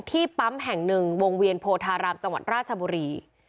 ที่ปั๊มแห่งหนึ่งวงเวียนโพธารามจังหวัดราชบุรี